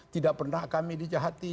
tidak pernah kami dijahati